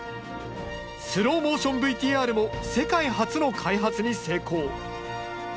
スローモーションＶＴＲも世界初の開発に成功。